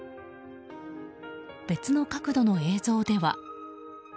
別の角度の映像では。